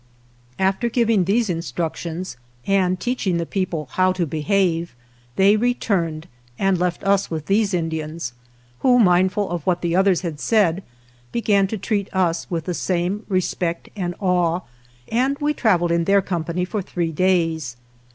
After giving these instructions, and teach ing the people how to behave, they returned, and left us with these Indians, who, mind ful of what the others had said, began to treat us with the same respect and awe, and i37 THE JOURNEY OF we travelled in their company for three days.